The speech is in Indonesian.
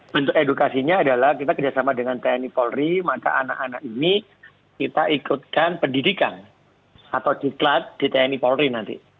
bentuk edukasinya adalah kita kerjasama dengan tni polri maka anak anak ini kita ikutkan pendidikan atau ciklat di tni polri nanti